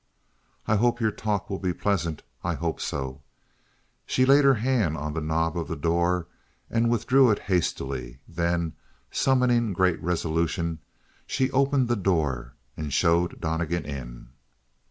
"I hope your talk will be pleasant. I hope so." She laid her hand on the knob of the door and withdrew it hastily; then, summoning great resolution, she opened the door and showed Donnegan in.